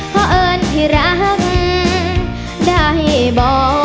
เพราะเอิญที่รักได้บ่